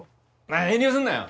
遠慮するなよ。